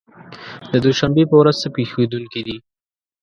د دوشنبې په ورځ څه پېښېدونکي دي؟